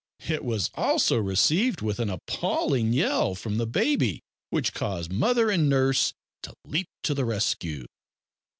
It was also received with an appalling yell from the baby, which caused mother and nurse to leap to the rescue.